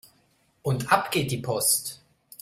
Und ab geht die Post!